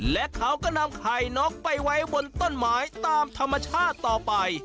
และเขาก็นำไข่นกไปไว้บนต้นไม้ตามธรรมชาติต่อไป